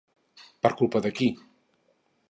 Per culpa de qui?